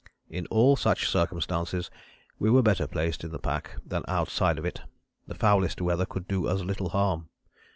In all such circumstances we were better placed in the pack than outside of it. The foulest weather could do us little harm.